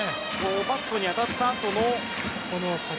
バットに当たったあとの。